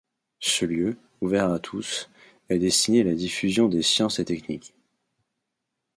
Ce lieu, ouvert à tous, est destiné à la diffusion des sciences et techniques.